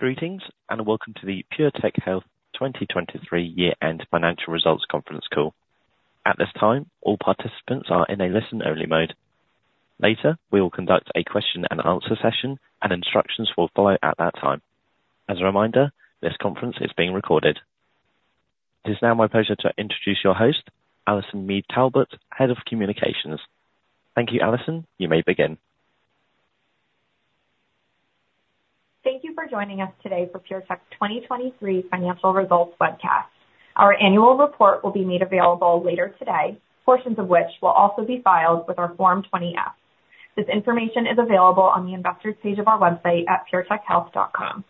Greetings, and welcome to the PureTech Health 2023 year-end financial results conference call. At this time, all participants are in a listen-only mode. Later, we will conduct a question and answer session, and instructions will follow at that time. As a reminder, this conference is being recorded. It is now my pleasure to introduce your host, Allison Mead Talbot, Head of Communications. Thank you, Allison. You may begin. Thank you for joining us today for PureTech's 2023 financial results webcast. Our annual report will be made available later today, portions of which will also be filed with our Form 20-F. This information is available on the Investors page of our website at puretechhealth.com.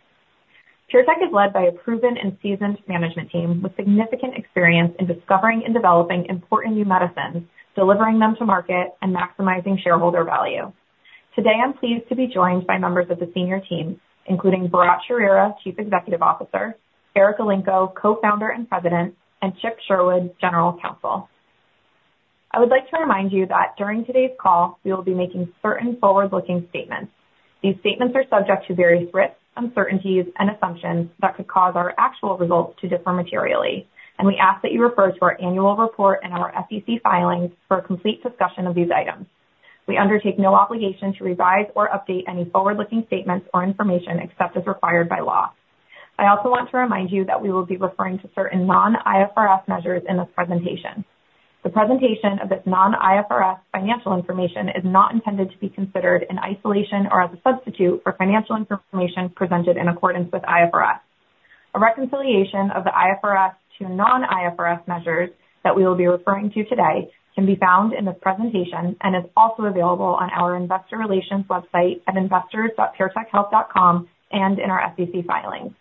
PureTech is led by a proven and seasoned management team with significant experience in discovering and developing important new medicines, delivering them to market, and maximizing shareholder value. Today, I'm pleased to be joined by members of the senior team, including Bharatt Chowrira, Chief Executive Officer, Eric Elenko, Co-founder and President, and Chip Sherwood, General Counsel. I would like to remind you that during today's call, we will be making certain forward-looking statements. These statements are subject to various risks, uncertainties, and assumptions that could cause our actual results to differ materially, and we ask that you refer to our annual report and our SEC filings for a complete discussion of these items. We undertake no obligation to revise or update any forward-looking statements or information except as required by law. I also want to remind you that we will be referring to certain non-IFRS measures in this presentation. The presentation of this non-IFRS financial information is not intended to be considered in isolation or as a substitute for financial information presented in accordance with IFRS. A reconciliation of the IFRS to non-IFRS measures that we will be referring to today can be found in this presentation and is also available on our investor relations website at investors.puretechhealth.com and in our SEC filings.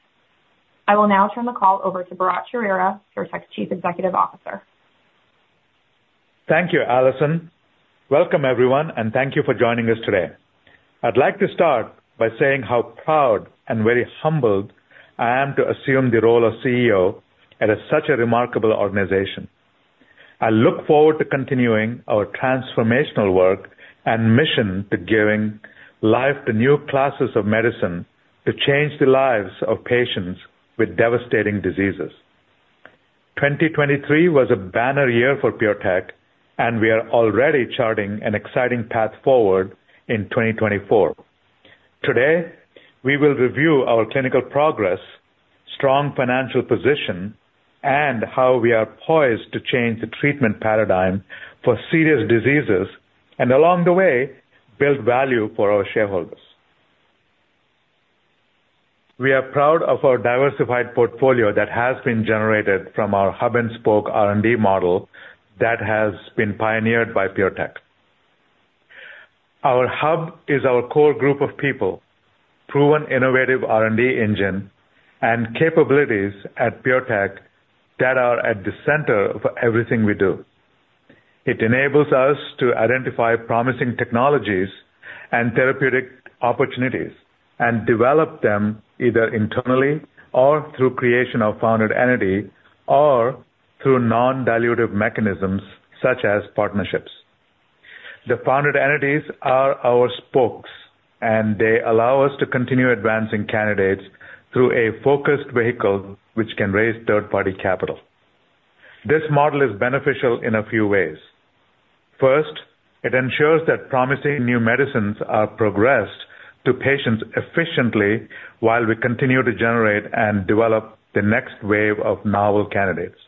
I will now turn the call over to Bharatt Chowrira, PureTech's Chief Executive Officer. Thank you, Allison. Welcome, everyone, and thank you for joining us today. I'd like to start by saying how proud and very humbled I am to assume the role of CEO at such a remarkable organization. I look forward to continuing our transformational work and mission to giving life to new classes of medicine to change the lives of patients with devastating diseases. 2023 was a banner year for PureTech, and we are already charting an exciting path forward in 2024. Today, we will review our clinical progress, strong financial position, and how we are poised to change the treatment paradigm for serious diseases and along the way, build value for our shareholders. We are proud of our diversified portfolio that has been generated from our hub-and-spoke R&D model that has been pioneered by PureTech. Our hub is our core group of people, proven innovative R&D engine and capabilities at PureTech that are at the center of everything we do. It enables us to identify promising technologies and therapeutic opportunities and develop them either internally or through creation of founded entity or through non-dilutive mechanisms such as partnerships. The founded entities are our spokes, and they allow us to continue advancing candidates through a focused vehicle, which can raise third-party capital. This model is beneficial in a few ways. First, it ensures that promising new medicines are progressed to patients efficiently while we continue to generate and develop the next wave of novel candidates.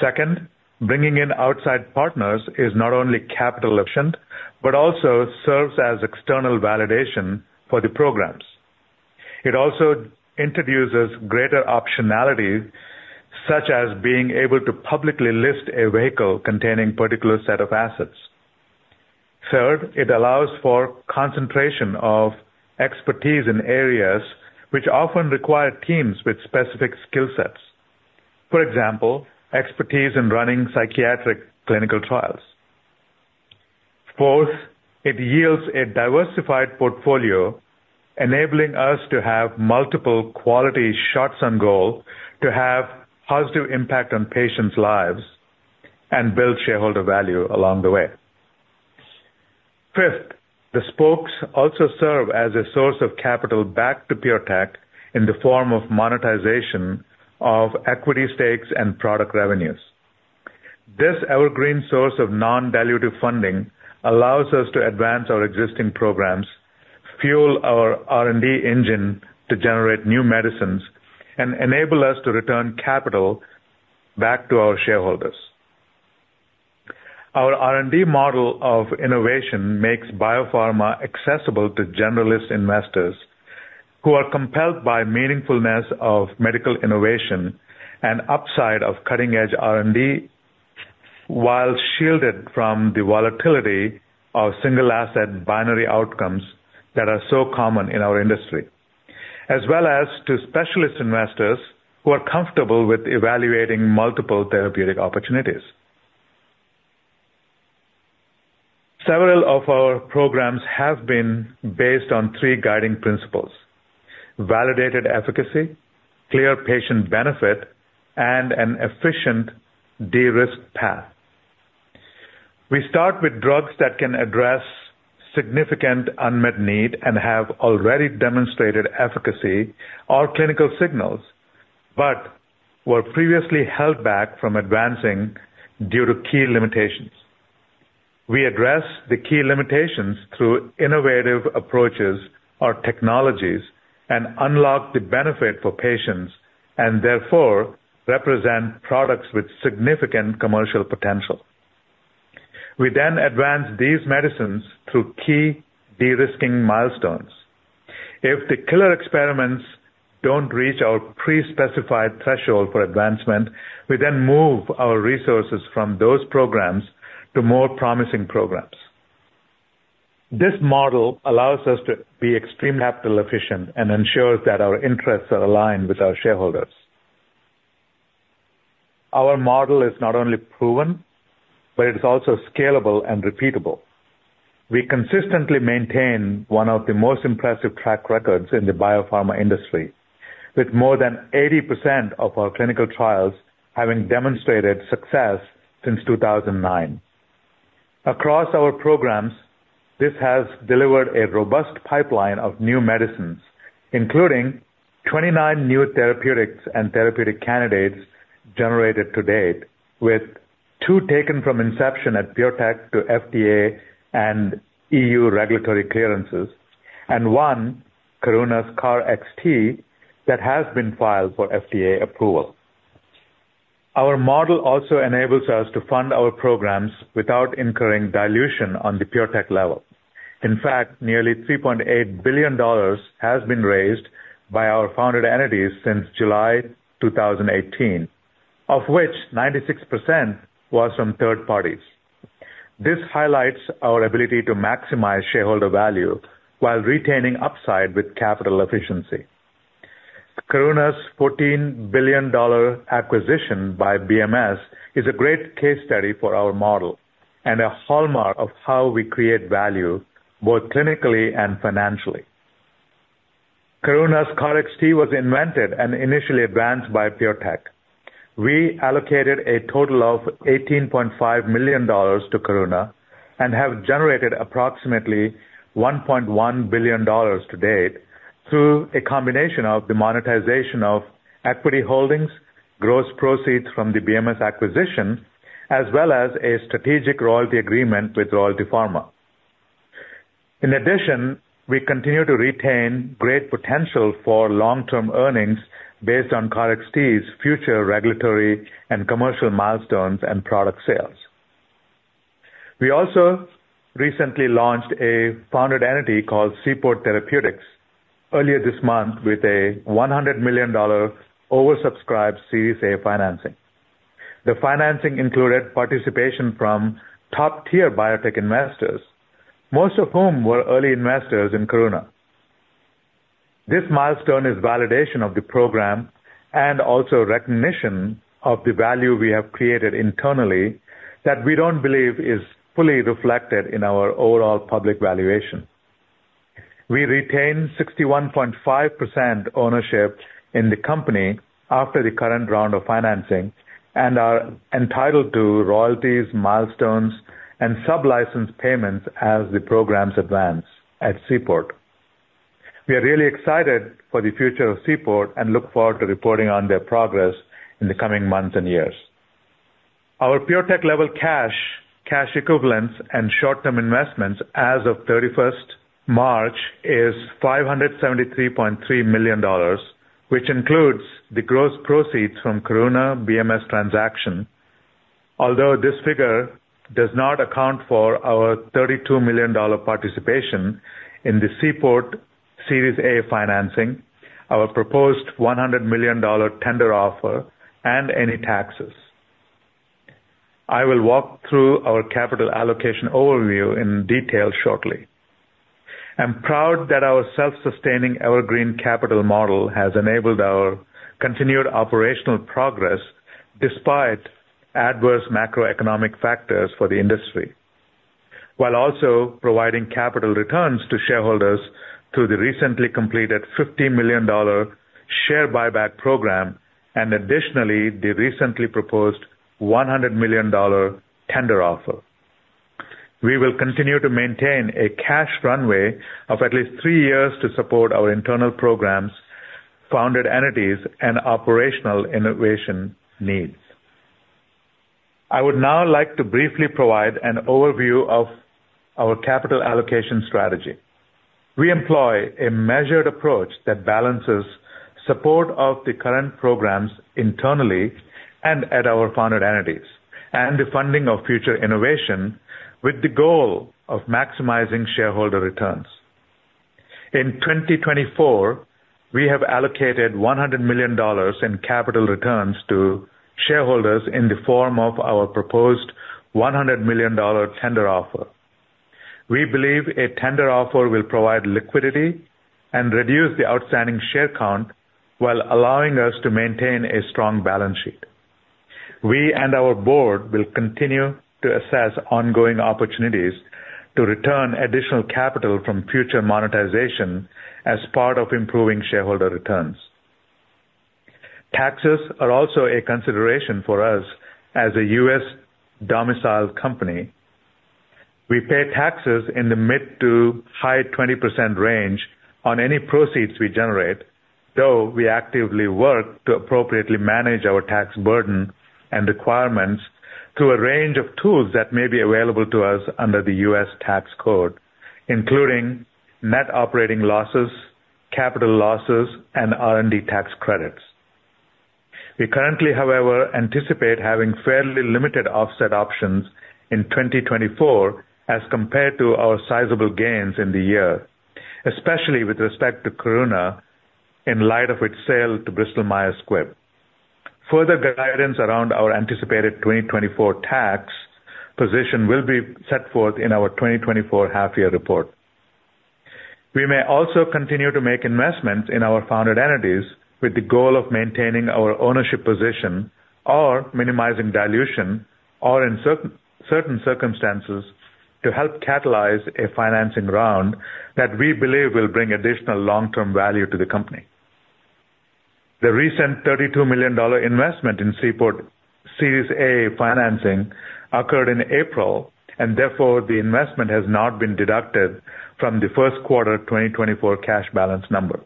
Second, bringing in outside partners is not only capital efficient, but also serves as external validation for the programs. It also introduces greater optionality, such as being able to publicly list a vehicle containing particular set of assets. Third, it allows for concentration of expertise in areas which often require teams with specific skill sets. For example, expertise in running psychiatric clinical trials. Fourth, it yields a diversified portfolio, enabling us to have multiple quality shots on goal, to have positive impact on patients' lives and build shareholder value along the way. Fifth, the spokes also serve as a source of capital back to PureTech in the form of monetization of equity stakes and product revenues. This evergreen source of non-dilutive funding allows us to advance our existing programs, fuel our R&D engine to generate new medicines, and enable us to return capital back to our shareholders. Our R&D model of innovation makes biopharma accessible to generalist investors who are compelled by meaningfulness of medical innovation and upside of cutting-edge R&D, while shielded from the volatility of single-asset binary outcomes that are so common in our industry, as well as to specialist investors who are comfortable with evaluating multiple therapeutic opportunities. Several of our programs have been based on three guiding principles: Validated efficacy, clear patient benefit, and an efficient de-risk path.... We start with drugs that can address significant unmet need and have already demonstrated efficacy or clinical signals, but were previously held back from advancing due to key limitations. We address the key limitations through innovative approaches or technologies and unlock the benefit for patients, and therefore represent products with significant commercial potential. We then advance these medicines through key de-risking milestones. If the killer experiments don't reach our pre-specified threshold for advancement, we then move our resources from those programs to more promising programs. This model allows us to be extremely capital efficient and ensures that our interests are aligned with our shareholders. Our model is not only proven, but it is also scalable and repeatable. We consistently maintain one of the most impressive track records in the biopharma industry, with more than 80% of our clinical trials having demonstrated success since 2009. Across our programs, this has delivered a robust pipeline of new medicines, including 29 new therapeutics and therapeutic candidates generated to date, with two taken from inception at PureTech to FDA and EU regulatory clearances, and one, Karuna's KarXT, that has been filed for FDA approval. Our model also enables us to fund our programs without incurring dilution on the PureTech level. In fact, nearly $3.8 billion has been raised by our founded entities since July 2018, of which 96% was from third parties. This highlights our ability to maximize shareholder value while retaining upside with capital efficiency. Karuna's $14 billion acquisition by BMS is a great case study for our model and a hallmark of how we create value, both clinically and financially. Karuna's KarXT was invented and initially advanced by PureTech. We allocated a total of $18.5 million to Karuna and have generated approximately $1.1 billion to date through a combination of the monetization of equity holdings, gross proceeds from the BMS acquisition, as well as a strategic royalty agreement with Royalty Pharma. In addition, we continue to retain great potential for long-term earnings based on KarXT's future regulatory and commercial milestones and product sales. We also recently launched a founded entity called Seaport Therapeutics earlier this month with a $100 million oversubscribed Series A financing. The financing included participation from top-tier biotech investors, most of whom were early investors in Karuna. This milestone is validation of the program and also recognition of the value we have created internally that we don't believe is fully reflected in our overall public valuation. We retain 61.5% ownership in the company after the current round of financing and are entitled to royalties, milestones, and sublicense payments as the programs advance at Seaport. We are really excited for the future of Seaport and look forward to reporting on their progress in the coming months and years. Our PureTech-level cash, cash equivalents, and short-term investments as of 31st March is $573.3 million, which includes the gross proceeds from Karuna BMS transaction. Although this figure does not account for our $32 million participation in the Seaport Series A financing, our proposed $100 million tender offer, and any taxes. I will walk through our capital allocation overview in detail shortly. I'm proud that our self-sustaining evergreen capital model has enabled our continued operational progress despite adverse macroeconomic factors for the industry, while also providing capital returns to shareholders through the recently completed $50 million share buyback program and additionally, the recently proposed $100 million tender offer. We will continue to maintain a cash runway of at least three years to support our internal programs, founded entities, and operational innovation needs. I would now like to briefly provide an overview of our capital allocation strategy. We employ a measured approach that balances support of the current programs internally and at our founded entities, and the funding of future innovation with the goal of maximizing shareholder returns. In 2024, we have allocated $100 million in capital returns to shareholders in the form of our proposed $100 million tender offer. We believe a tender offer will provide liquidity and reduce the outstanding share count while allowing us to maintain a strong balance sheet. We and our board will continue to assess ongoing opportunities to return additional capital from future monetization as part of improving shareholder returns. Taxes are also a consideration for us as a U.S. domiciled company. We pay taxes in the mid- to high-20% range on any proceeds we generate, though we actively work to appropriately manage our tax burden and requirements through a range of tools that may be available to us under the U.S. tax code, including net operating losses, capital losses, and R&D tax credits. We currently, however, anticipate having fairly limited offset options in 2024 as compared to our sizable gains in the year, especially with respect to Karuna, in light of its sale to Bristol Myers Squibb. Further guidance around our anticipated 2024 tax position will be set forth in our 2024 half year report. We may also continue to make investments in our founded entities with the goal of maintaining our ownership position or minimizing dilution, or in certain circumstances, to help catalyze a financing round that we believe will bring additional long-term value to the company. The recent $32 million investment in Seaport Series A financing occurred in April, and therefore, the investment has not been deducted from the first quarter 2024 cash balance number.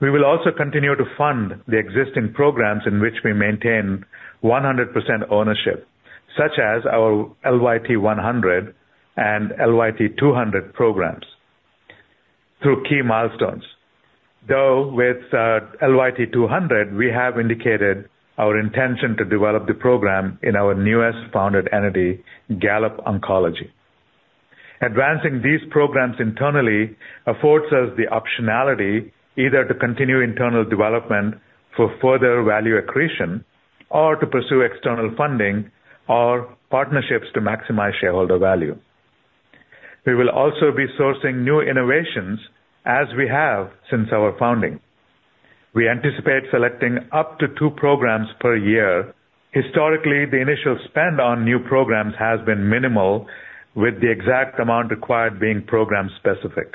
We will also continue to fund the existing programs in which we maintain 100% ownership, such as our LYT-100 and LYT-200 programs through key milestones. Though with LYT-200, we have indicated our intention to develop the program in our newest founded entity, Gallop Oncology. Advancing these programs internally affords us the optionality either to continue internal development for further value accretion or to pursue external funding or partnerships to maximize shareholder value. We will also be sourcing new innovations as we have since our founding. We anticipate selecting up to two programs per year. Historically, the initial spend on new programs has been minimal, with the exact amount required being program-specific.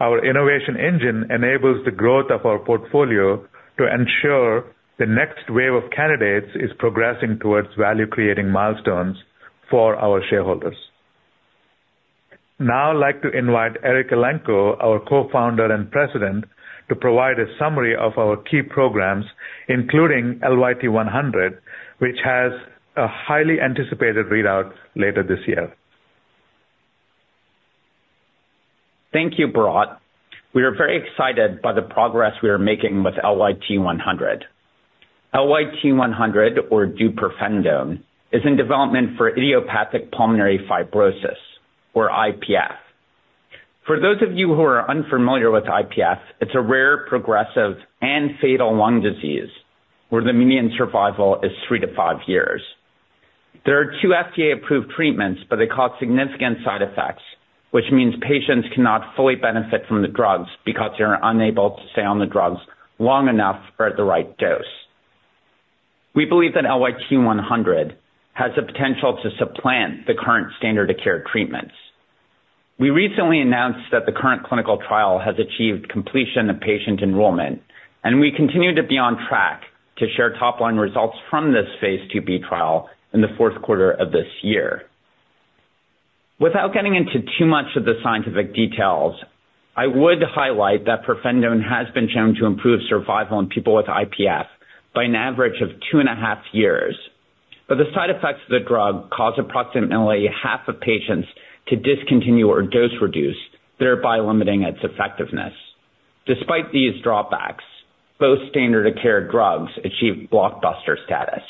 Our innovation engine enables the growth of our portfolio to ensure the next wave of candidates is progressing towards value, creating milestones for our shareholders. Now, I'd like to invite Eric Elenko, our Co-Founder and President, to provide a summary of our key programs, including LYT-100, which has a highly anticipated readout later this year. Thank you, Bharatt. We are very excited by the progress we are making with LYT-100. LYT-100, or deupirfenidone, is in development for idiopathic pulmonary fibrosis, or IPF. For those of you who are unfamiliar with IPF, it's a rare, progressive and fatal lung disease where the median survival is three to five years. There are two FDA-approved treatments, but they cause significant side effects, which means patients cannot fully benefit from the drugs because they are unable to stay on the drugs long enough or at the right dose. We believe that LYT-100 has the potential to supplant the current standard of care treatments. We recently announced that the current clinical trial has achieved completion of patient enrollment, and we continue to be on track to share top-line results from this phase II-B trial in the fourth quarter of this year. Without getting into too much of the scientific details, I would highlight that pirfenidone has been shown to improve survival in people with IPF by an average of 2.5 years. But the side effects of the drug cause approximately half of patients to discontinue or dose reduce, thereby limiting its effectiveness. Despite these drawbacks, both standard of care drugs achieve blockbuster status.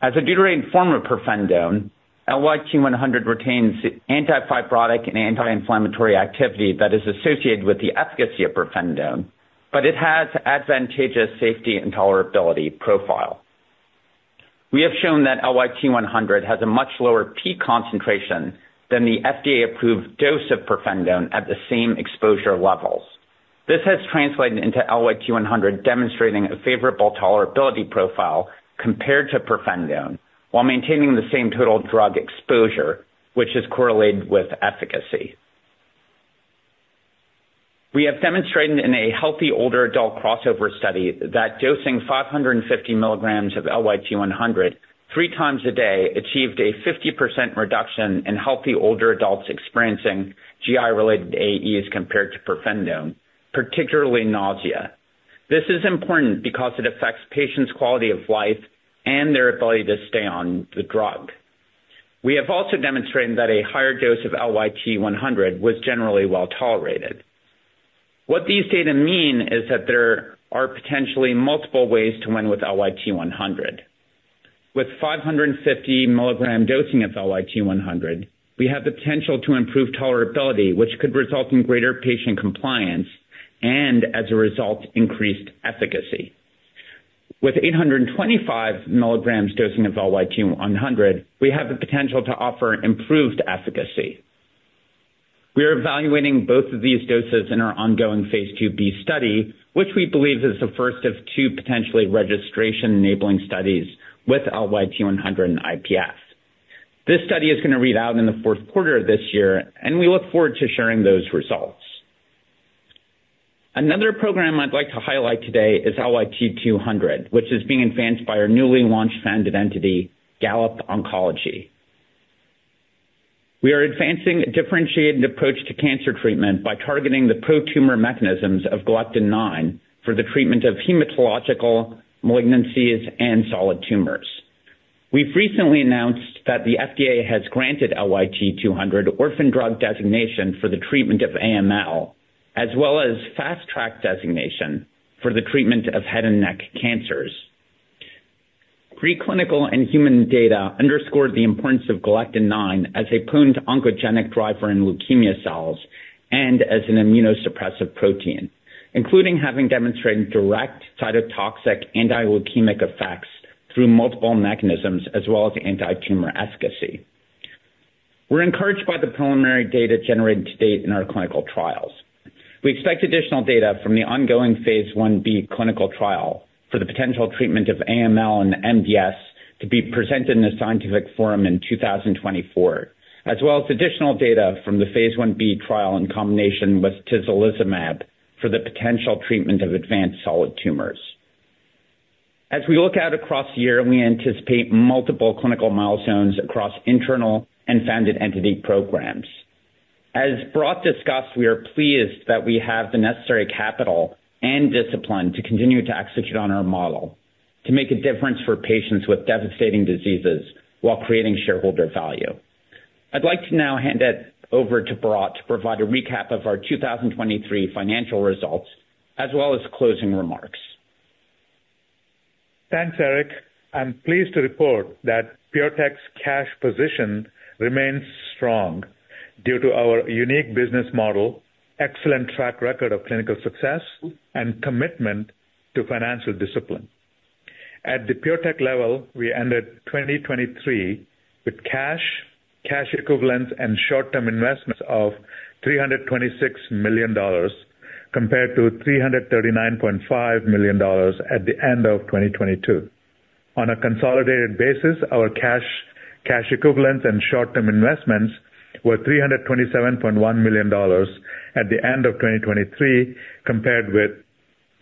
As a deuterated form of pirfenidone, LYT-100 retains the anti-fibrotic and anti-inflammatory activity that is associated with the efficacy of pirfenidone, but it has advantageous safety and tolerability profile. We have shown that LYT-100 has a much lower peak concentration than the FDA-approved dose of pirfenidone at the same exposure levels. This has translated into LYT-100, demonstrating a favorable tolerability profile compared to pirfenidone, while maintaining the same total drug exposure, which is correlated with efficacy. We have demonstrated in a healthy older adult crossover study that dosing 550 mg of LYT-100 3x a day achieved a 50% reduction in healthy older adults experiencing GI-related AEs compared to pirfenidone, particularly nausea. This is important because it affects patients' quality of life and their ability to stay on the drug. We have also demonstrated that a higher dose of LYT-100 was generally well tolerated. What these data mean is that there are potentially multiple ways to win with LYT-100. With 550 mg dosing of LYT-100, we have the potential to improve tolerability, which could result in greater patient compliance and, as a result, increased efficacy. With 825 mg dosing of LYT-100, we have the potential to offer improved efficacy. We are evaluating both of these doses in our ongoing phase II-B study, which we believe is the first of two potentially registration-enabling studies with LYT-100 and IPF. This study is going to read out in the fourth quarter of this year, and we look forward to sharing those results. Another program I'd like to highlight today is LYT-200, which is being advanced by our newly launched founded entity, Gallop Oncology. We are advancing a differentiated approach to cancer treatment by targeting the pro-tumor mechanisms of galectin-9 for the treatment of hematological malignancies and solid tumors. We've recently announced that the FDA has granted LYT-200 Orphan Drug Designation for the treatment of AML, as well as Fast Track Designation for the treatment of head and neck cancers. Preclinical and human data underscore the importance of galectin-9 as a pro-oncogenic driver in leukemia cells and as an immunosuppressive protein, including having demonstrated direct cytotoxic anti-leukemic effects through multiple mechanisms as well as antitumor efficacy. We're encouraged by the preliminary data generated to date in our clinical trials. We expect additional data from the ongoing phase I-B clinical trial for the potential treatment of AML and MDS to be presented in a scientific forum in 2024, as well as additional data from the phase I-B trial in combination with tislelizumab for the potential treatment of advanced solid tumors. As we look out across the year, we anticipate multiple clinical milestones across internal and founded entity programs. As Bharatt discussed, we are pleased that we have the necessary capital and discipline to continue to execute on our model, to make a difference for patients with devastating diseases while creating shareholder value. I'd like to now hand it over to Bharatt to provide a recap of our 2023 financial results, as well as closing remarks. Thanks, Eric. I'm pleased to report that PureTech's cash position remains strong due to our unique business model, excellent track record of clinical success, and commitment to financial discipline. At the PureTech level, we ended 2023 with cash, cash equivalents, and short-term investments of $326 million, compared to $339.5 million at the end of 2022. On a consolidated basis, our cash, cash equivalents, and short-term investments were $327.1 million at the end of 2023, compared with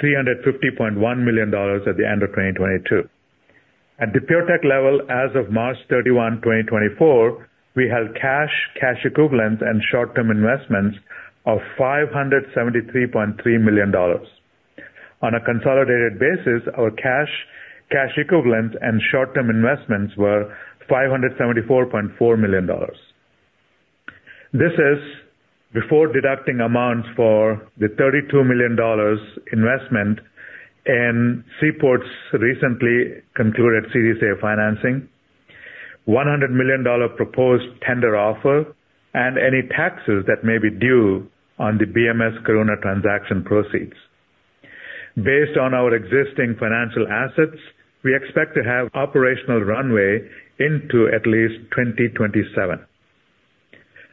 $350.1 million at the end of 2022. At the PureTech level, as of March 31, 2024, we had cash, cash equivalents, and short-term investments of $573.3 million. On a consolidated basis, our cash, cash equivalents, and short-term investments were $574.4 million. This is before deducting amounts for the $32 million investment in Seaport's recently concluded Series A financing, $100 million proposed tender offer, and any taxes that may be due on the BMS Karuna transaction proceeds. Based on our existing financial assets, we expect to have operational runway into at least 2027.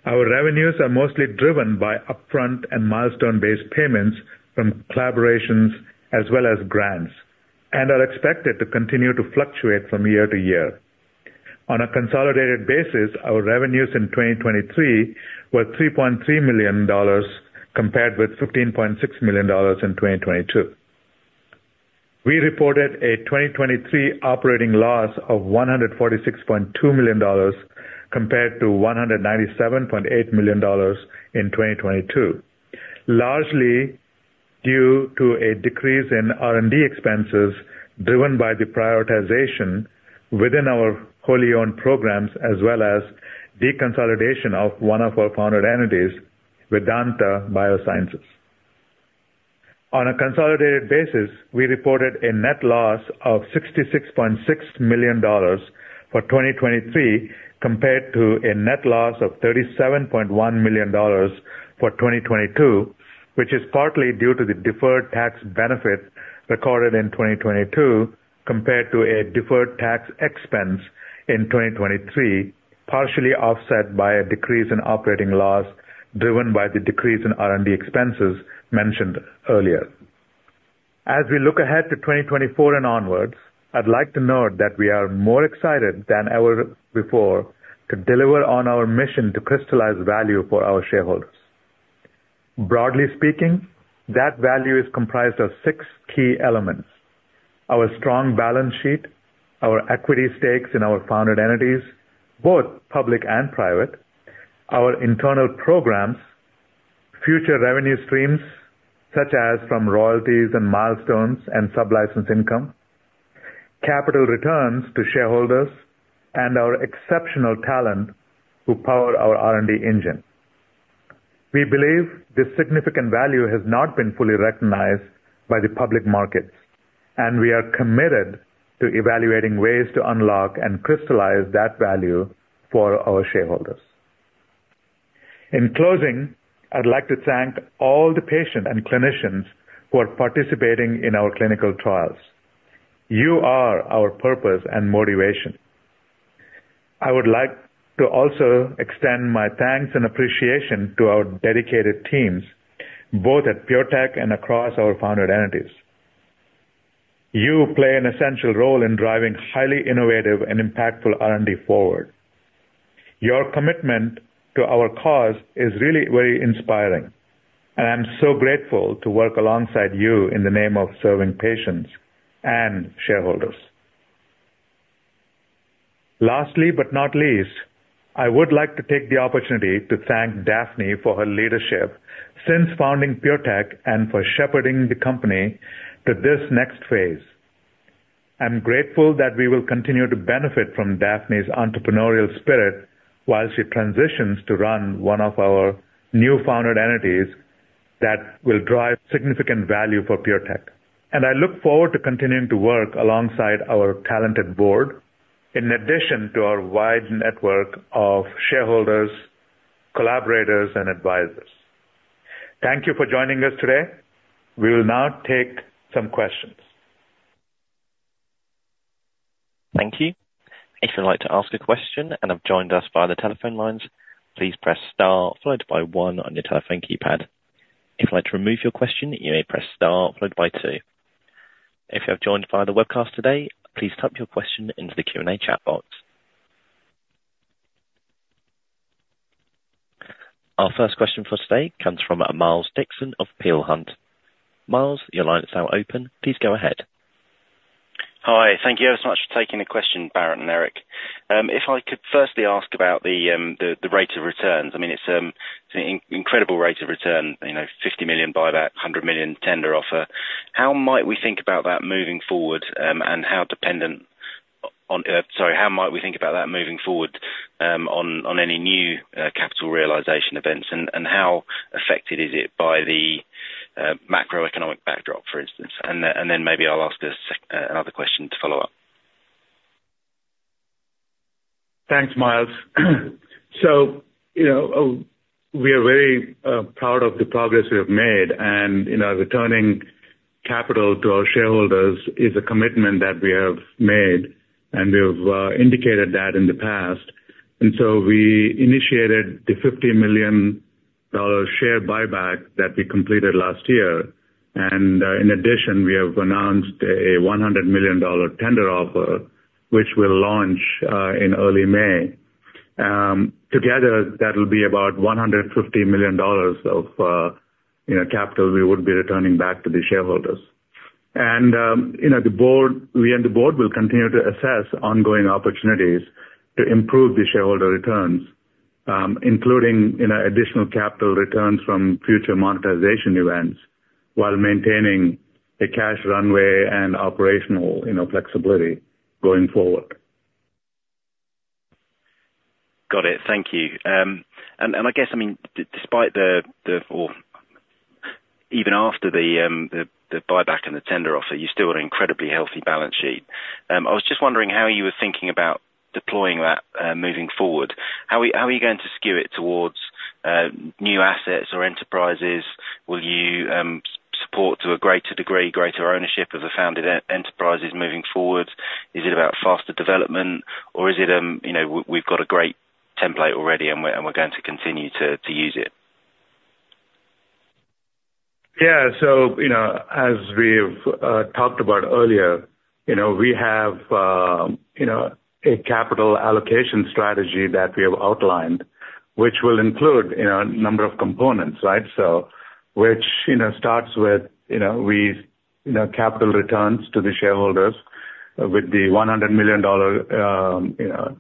Our revenues are mostly driven by upfront and milestone-based payments from collaborations as well as grants, and are expected to continue to fluctuate from year to year. On a consolidated basis, our revenues in 2023 were $3.3 million, compared with $15.6 million in 2022. We reported a 2023 operating loss of $146.2 million, compared to $197.8 million in 2022, largely due to a decrease in R&D expenses, driven by the prioritization within our wholly owned programs, as well as deconsolidation of one of our founded entities, Vedanta Biosciences. On a consolidated basis, we reported a net loss of $66.6 million for 2023, compared to a net loss of $37.1 million for 2022, which is partly due to the deferred tax benefit recorded in 2022, compared to a deferred tax expense in 2023, partially offset by a decrease in operating loss, driven by the decrease in R&D expenses mentioned earlier. As we look ahead to 2024 and onward, I'd like to note that we are more excited than ever before to deliver on our mission to crystallize value for our shareholders. Broadly speaking, that value is comprised of six key elements: our strong balance sheet, our equity stakes in our founded entities, both public and private, our internal programs, future revenue streams, such as from royalties and milestones and sublicense income, capital returns to shareholders, and our exceptional talent who power our R&D engine. We believe this significant value has not been fully recognized by the public markets, and we are committed to evaluating ways to unlock and crystallize that value for our shareholders. In closing, I'd like to thank all the patients and clinicians who are participating in our clinical trials. You are our purpose and motivation. I would like to also extend my thanks and appreciation to our dedicated teams, both at PureTech and across our founded entities. You play an essential role in driving highly innovative and impactful R&D forward. Your commitment to our cause is really very inspiring, and I'm so grateful to work alongside you in the name of serving patients and shareholders. Lastly, but not least, I would like to take the opportunity to thank Daphne for her leadership since founding PureTech and for shepherding the company to this next phase. I'm grateful that we will continue to benefit from Daphne's entrepreneurial spirit while she transitions to run one of our new founded entities that will drive significant value for PureTech. And I look forward to continuing to work alongside our talented board, in addition to our wide network of shareholders, collaborators, and advisors. Thank you for joining us today. We will now take some questions. Thank you. If you'd like to ask a question and have joined us via the telephone lines, please press star followed by one on your telephone keypad. If you'd like to remove your question, you may press star followed by two. If you have joined via the webcast today, please type your question into the Q&A chat box. Our first question for today comes from Miles Dixon of Peel Hunt. Miles, your line is now open. Please go ahead. Hi. Thank you ever so much for taking the question, Bharatt and Eric. If I could firstly ask about the rate of returns. I mean, it's an incredible rate of return, you know, $50 million buyback, $100 million tender offer. How might we think about that moving forward, and how dependent on... Sorry, how might we think about that moving forward, on any new capital realization events? And how affected is it by the macroeconomic backdrop, for instance? And then maybe I'll ask a second, another question to follow up. Thanks, Miles. So, you know, we are very, proud of the progress we have made, and, you know, returning capital to our shareholders is a commitment that we have made, and we have, indicated that in the past. And so we initiated the $50 million share buyback that we completed last year, and, in addition, we have announced a $100 million tender offer, which will launch, in early May. Together, that will be about $150 million of, you know, capital we would be returning back to the shareholders. And, you know, the board, we and the board will continue to assess ongoing opportunities to improve the shareholder returns, including, you know, additional capital returns from future monetization events, while maintaining a cash runway and operational, you know, flexibility going forward. Got it. Thank you. And I guess, I mean, despite the or even after the buyback and the tender offer, you still have an incredibly healthy balance sheet. I was just wondering how you were thinking about deploying that moving forward. How are we going to skew it towards new assets or enterprises? Will you support to a greater degree greater ownership of the founded enterprises moving forward? Is it about faster development, or is it, you know, we've got a great template already, and we're going to continue to use it? Yeah. So, you know, as we've talked about earlier, you know, we have, you know, a capital allocation strategy that we have outlined, which will include, you know, a number of components, right? So which, you know, starts with, you know, capital returns to the shareholders with the $100 million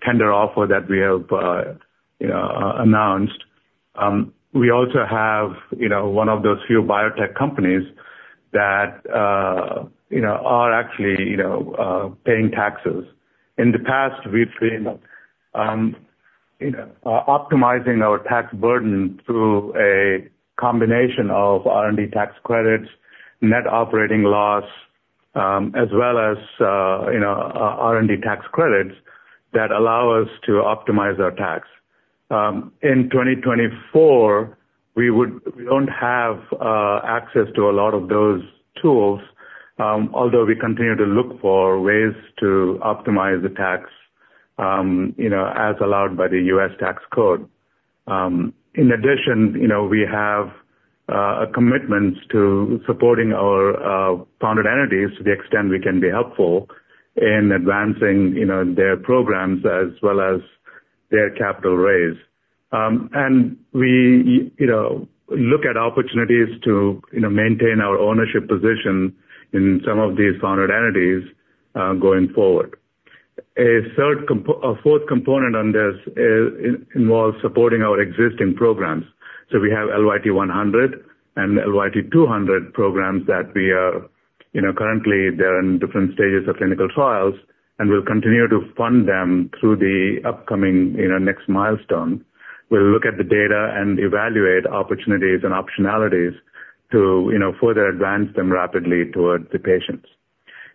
tender offer that we have announced. We also have, you know, one of those few biotech companies that, you know, are actually, you know, paying taxes. In the past, we've been, you know, optimizing our tax burden through a combination of R&D tax credits, net operating loss, as well as, you know, R&D tax credits that allow us to optimize our tax. In 2024, we would—we don't have access to a lot of those tools, although we continue to look for ways to optimize the tax, you know, as allowed by the U.S. Tax Code. In addition, you know, we have a commitment to supporting our founded entities to the extent we can be helpful in advancing, you know, their programs as well as their capital raise. And we, you know, look at opportunities to, you know, maintain our ownership position in some of these founded entities, going forward. A fourth component on this involves supporting our existing programs. So we have LYT-100 and LYT-200 programs that we are, you know, currently they're in different stages of clinical trials, and we'll continue to fund them through the upcoming, you know, next milestone. We'll look at the data and evaluate opportunities and optionalities to, you know, further advance them rapidly towards the patients.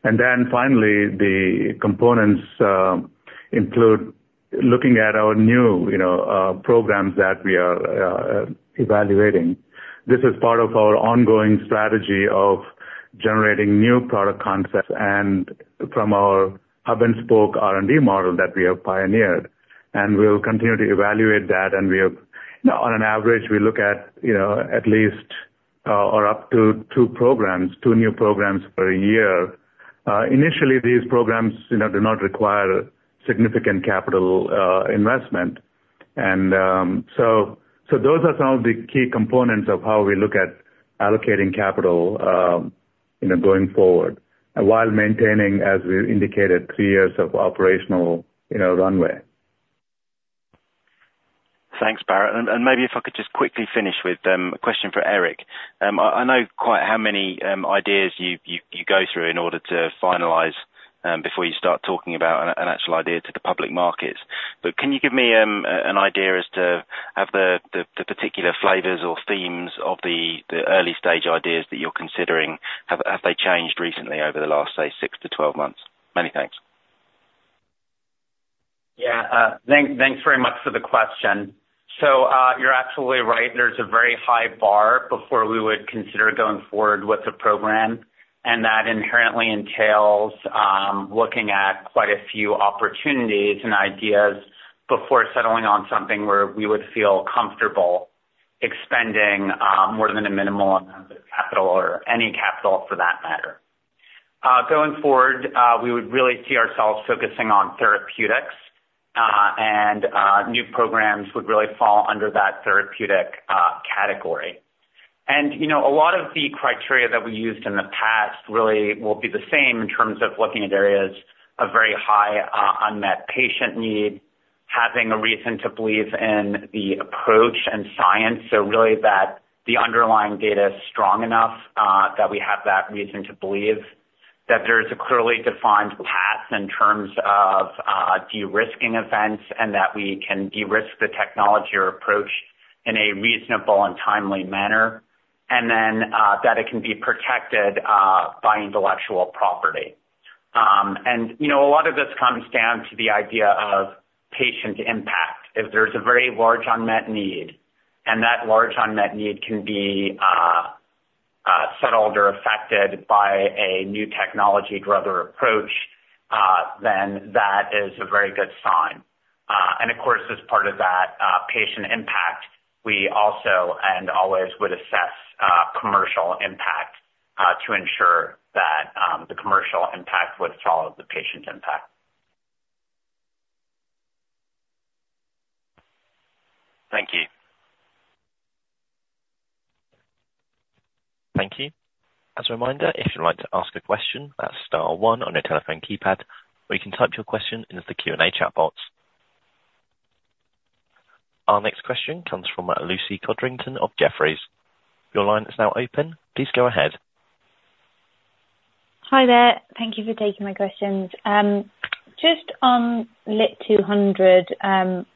And then finally, the components include looking at our new, you know, programs that we are evaluating. This is part of our ongoing strategy of generating new product concepts and from our hub-and-spoke R&D model that we have pioneered, and we'll continue to evaluate that, and we have, on an average, we look at, you know, at least, or up to two programs, two new programs per year. Initially, these programs, you know, do not require significant capital investment. And, so, so those are some of the key components of how we look at allocating capital, you know, going forward, while maintaining, as we indicated, three years of operational, you know, runway. Thanks, Bharatt. And maybe if I could just quickly finish with a question for Eric. I know quite how many ideas you go through in order to finalize before you start talking about an actual idea to the public markets. But can you give me an idea as to the particular flavors or themes of the early stage ideas that you're considering? Have they changed recently over the last, say, 6-12 months? Many thanks. Yeah, thanks very much for the question. So, you're absolutely right. There's a very high bar before we would consider going forward with the program, and that inherently entails looking at quite a few opportunities and ideas before settling on something where we would feel comfortable expending more than a minimal amount of capital or any capital for that matter. Going forward, we would really see ourselves focusing on therapeutics, and new programs would really fall under that therapeutic category. And, you know, a lot of the criteria that we used in the past really will be the same in terms of looking at areas of very high unmet patient need, having a reason to believe in the approach and science. So really that the underlying data is strong enough that we have that reason to believe that there is a clearly defined path in terms of de-risking events, and that we can de-risk the technology or approach in a reasonable and timely manner, and then that it can be protected by intellectual property. You know, a lot of this comes down to the idea of patient impact. If there's a very large unmet need, and that large unmet need can be settled or affected by a new technology, drug, or approach, then that is a very good sign. Of course, as part of that patient impact, we also and always would assess commercial impact to ensure that the commercial impact would follow the patient impact. Thank you. Thank you. As a reminder, if you'd like to ask a question, that's star one on your telephone keypad, or you can type your question into the Q&A chat box. Our next question comes from Lucy Codrington of Jefferies. Your line is now open. Please go ahead. Hi there. Thank you for taking my questions. Just on LYT-200,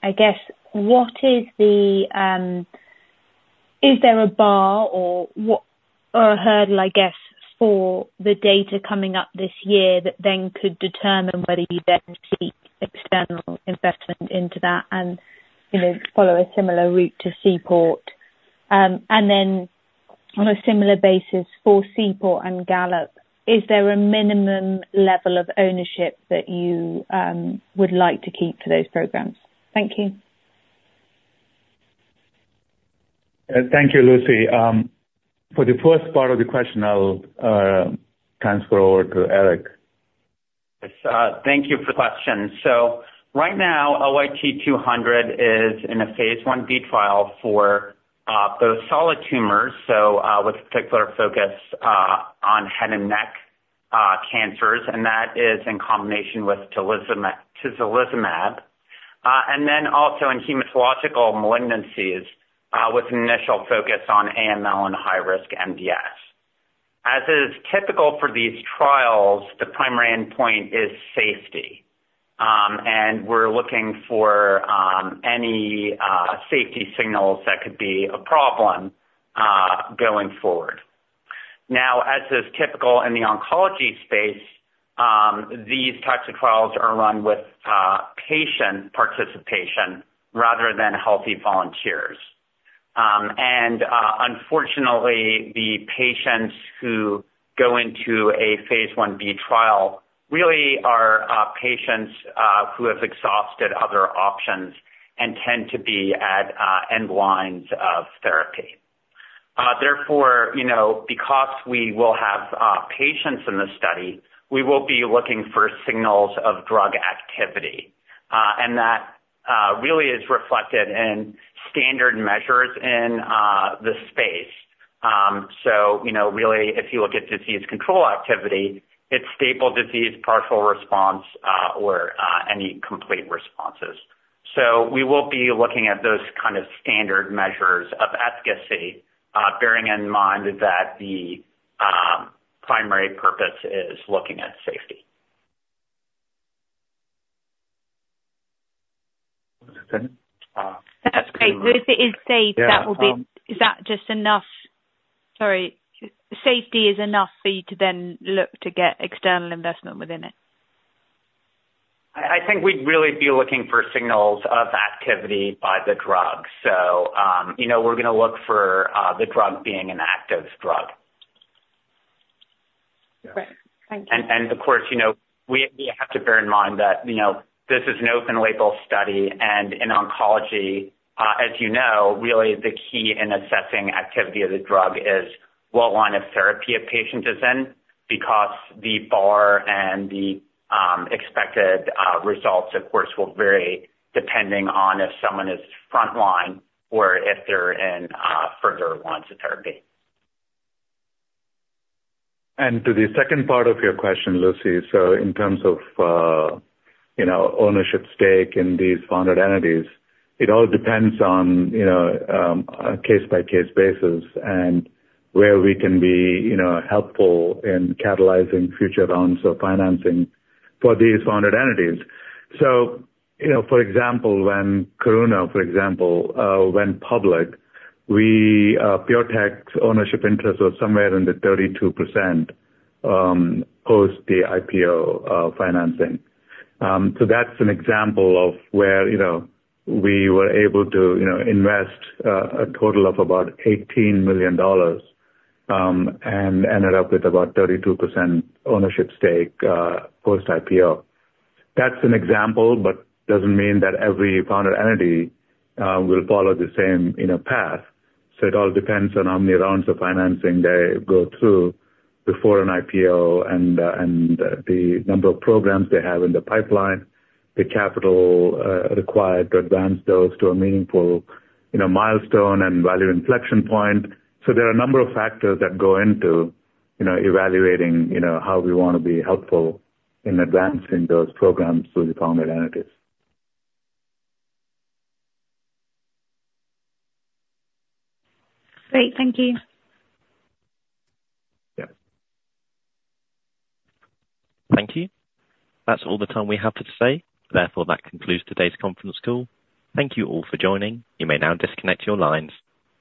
I guess, what is the... Is there a bar or what, or a hurdle, I guess, for the data coming up this year that then could determine whether you then seek external investment into that and, you know, follow a similar route to Seaport? And then on a similar basis, for Seaport and Gallop, is there a minimum level of ownership that you would like to keep for those programs? Thank you. Thank you, Lucy. For the first part of the question, I'll transfer over to Eric. Yes, thank you for the question. So right now, LYT-200 is in a phase I-B trial for those solid tumors, so with a particular focus on head and neck cancers, and that is in combination with tislelizumab, and then also in hematological malignancies with an initial focus on AML and high-risk MDS. As is typical for these trials, the primary endpoint is safety, and we're looking for any safety signals that could be a problem going forward. Now, as is typical in the oncology space, these types of trials are run with patient participation rather than healthy volunteers. Unfortunately, the patients who go into a phase I-B trial really are patients who have exhausted other options and tend to be at end lines of therapy. Therefore, you know, because we will have patients in the study, we will be looking for signals of drug activity, and that really is reflected in standard measures in the space. So you know, really, if you look at disease control activity, it's stable disease, partial response, or any complete responses. So we will be looking at those kind of standard measures of efficacy, bearing in mind that the primary purpose is looking at safety. Okay. Uh- That's great. So if it is safe, that will be- Yeah, um- Is that just enough? Sorry. Safety is enough for you to then look to get external investment within it. I think we'd really be looking for signals of activity by the drug. So, you know, we're gonna look for the drug being an active drug.... Right. Thank you. Of course, you know, we have to bear in mind that, you know, this is an open label study, and in oncology, as you know, really the key in assessing activity of the drug is what line of therapy a patient is in, because the bar and the expected results, of course, will vary depending on if someone is frontline or if they're in further lines of therapy. To the second part of your question, Lucy, so in terms of, you know, ownership stake in these founded entities, it all depends on, you know, a case-by-case basis and where we can be, you know, helpful in catalyzing future rounds of financing for these founded entities. So, you know, for example, when Karuna, for example, went public, we, PureTech's ownership interest was somewhere in the 32%, post the IPO financing. So that's an example of where, you know, we were able to, you know, invest a total of about $18 million, and ended up with about 32% ownership stake, post IPO. That's an example, but doesn't mean that every founded entity will follow the same, you know, path. So it all depends on how many rounds of financing they go through before an IPO and, and the number of programs they have in the pipeline, the capital required to advance those to a meaningful, you know, milestone and value inflection point. So there are a number of factors that go into, you know, evaluating, you know, how we wanna be helpful in advancing those programs through the founded entities. Great. Thank you. Yes. Thank you. That's all the time we have today. Therefore, that concludes today's conference call. Thank you all for joining. You may now disconnect your lines.